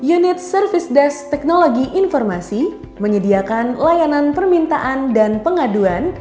unit service desk teknologi informasi menyediakan layanan permintaan dan pengaduan